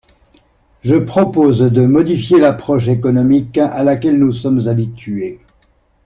Je propose de modifier l’approche économique à laquelle nous sommes habitués.